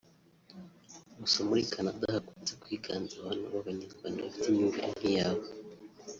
Gusa muri Canada hakunze kwiganza abantu b’Abanyarwanda bafite imyumvire nk’iyawe